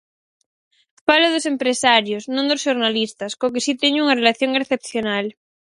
Falo dos empresarios, non dos xornalistas, cos que si teño unha relación excepcional.